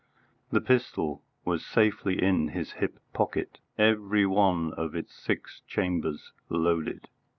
The pistol was safely in his hip pocket, every one of its six chambers loaded.